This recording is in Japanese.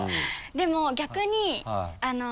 でも逆に。